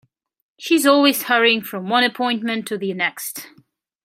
She is always hurrying from one appointment to the next.